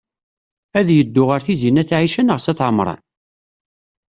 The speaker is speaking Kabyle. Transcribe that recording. Ad yeddu ɣer Tizi n at Ɛica neɣ s at Ɛemṛan?